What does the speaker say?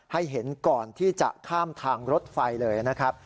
ให้เห็นก่อนที่จะข้ามทางรถไฟเลยนะครับ